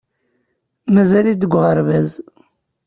Mazal-it deg uɣerbaz.